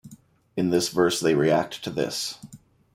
In this verse they react to this.